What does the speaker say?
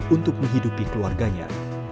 untuk menghidupi keluarganya